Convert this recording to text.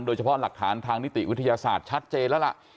หลักฐานทางนิติวิทยาศาสตร์ชัดเจนแล้วล่ะ